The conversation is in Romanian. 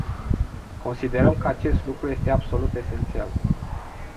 Considerăm că acest lucru este absolut esențial.